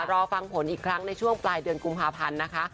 รอฟังผลอีกครั้งในช่วงปลายเดือนกุมภาพันธ์นะคะ